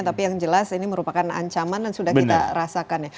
tapi yang jelas ini merupakan ancaman dan sudah kita rasakan ya